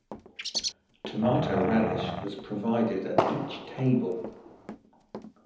Tomato relish was provided at each table.